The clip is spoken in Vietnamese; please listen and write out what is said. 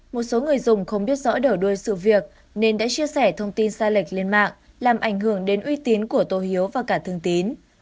một số người dùng không biết rõ đỡ đuôi sự việc nên đã chia sẻ thông tin sai lệch lên mạng làm ảnh hưởng đến uy tín của tô hiếu và cả thường tín